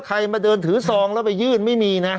ใครมาเดินถือซองแล้วไปยื่นไม่มีนะ